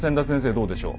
どうでしょう？